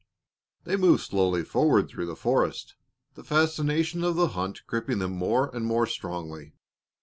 They moved slowly forward through the forest, the fascination of the hunt gripping them more and more strongly.